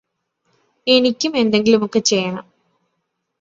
എനിക്കും എന്തെങ്കിലുമൊക്കെ ചെയ്യണം